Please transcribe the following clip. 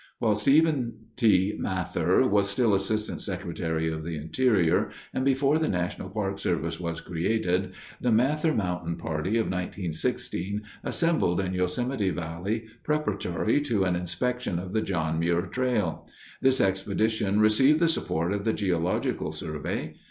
While Stephen T. Mather was still Assistant Secretary of the Interior and before the National Park Service was created, the "Mather Mountain Party of 1916" assembled in Yosemite Valley preparatory to an inspection of the John Muir Trail. This expedition received the support of the Geological Survey.